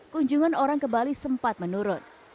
kunjungan orang ke bali sempat menurun